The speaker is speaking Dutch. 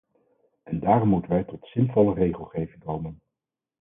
En daarom moeten wij tot zinvolle regelgeving komen.